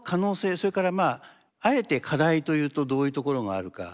それからまああえて課題というとどういうところがあるか。